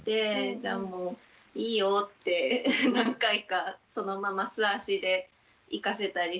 じゃあもういいよって何回かそのまま素足で行かせたりしてました。